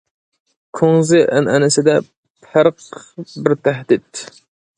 كۇڭزى ئەنئەنىسىدە ، پەرق بىر تەھدىت.